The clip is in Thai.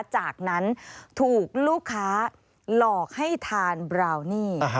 จากนั้นถูกลูกค้าหลอกให้ทานบราวนี่